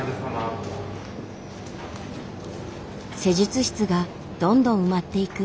施術室がどんどん埋まっていく。